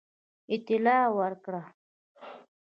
اطلاع ورکړه.